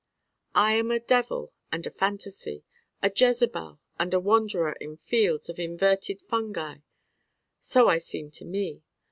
I am a devil and a fantasy, a jezebel and a wanderer in fields of inverted fungi: so I seem to me.